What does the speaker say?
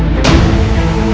aku akan menang